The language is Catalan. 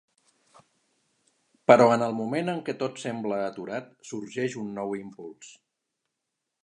Però en el moment en què tot sembla aturat sorgeix un nou impuls.